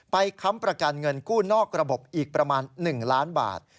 ค้ำประกันเงินกู้นอกระบบอีกประมาณ๑ล้านบาท